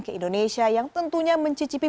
ke indonesia yang tentunya mencicipi